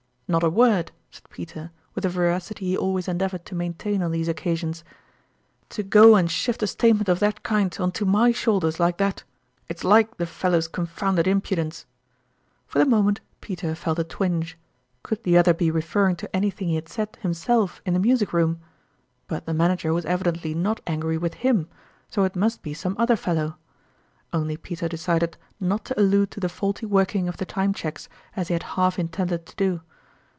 " Not a word !" said Peter, with the veracity he always endeavored to maintain on these oc casions. " To go and shift a statement of that kind on to my shoulders like that, it's like the fel low's confounded impudence !" For the moment Peter felt a twinge ; could the other be referring to anything he had said himself in the music room ? But the manager was evidently not angry with him, so it must be some other fellow. Only Peter decided not to allude to the faulty working of the time cheques, as he had half intended to do.